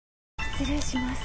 失礼します。